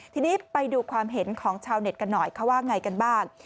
ทีนี้ไปดูความเห็นของชาวเน็ตกันหน่อยเขาว่าไงกันบ้าง